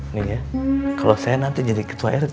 nih ya kalau saya nanti jadi ketua rt